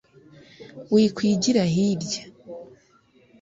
Wikwigira hirya